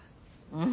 うん。